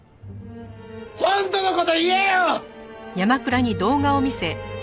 本当の事言えよ！